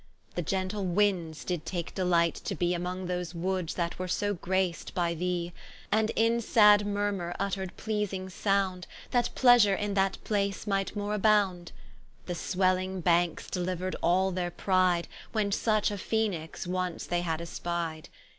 The gentle Windes did take delight to bee Among those woods that were so grac'd by thee. And in sad murmure vtterd pleasing sound, That Pleasure in that place might more abound: The swelling Bankes deliuer'd all their pride, When such a Ph#339;nix once they had espide.